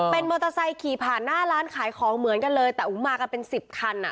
เป็นมอเตอร์ไซค์ขี่ผ่านหน้าร้านขายของเหมือนกันเลยแต่มากันเป็นสิบคันอ่ะ